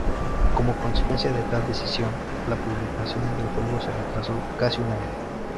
Como consecuencia de tal decisión, la publicación del juego se retrasó casi un año.